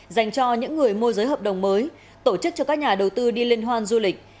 dành cho những người môi giới hợp đồng mới tổ chức cho các nhà đầu tư đi liên hoan du lịch